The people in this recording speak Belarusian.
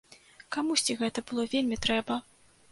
Камусьці гэта было вельмі трэба.